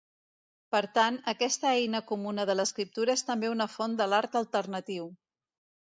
Per tant, aquesta eina comuna de l'escriptura és també una font de l'art alternatiu.